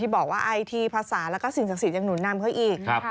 บอกว่าไอทีภาษาแล้วก็สิ่งศักดิ์สิทธิ์ยังหนุนนำเขาอีก